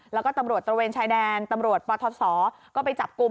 แล้วก็ตำรวจตระเวนชายแดนตำรวจปทศก็ไปจับกลุ่ม